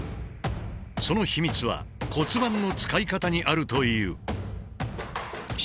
その秘密は骨盤の使い方にあるという。